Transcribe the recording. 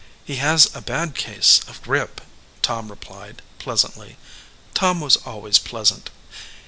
"He has a bad case of grip," Tom replied, pleas antly. Tom was always pleasant.